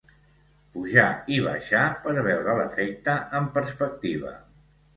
Pujar i baixar, per veure l'efecte en perspectiva